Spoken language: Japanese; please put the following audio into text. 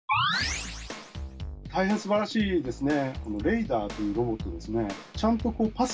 大変すばらしいですね。